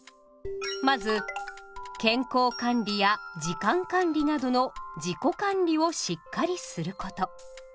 まず健康管理や時間管理などの自己管理をしっかりすること。